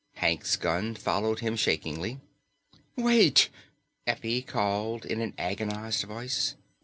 Hank's gun followed him shakingly. "Wait!" Effie called in an agonized voice.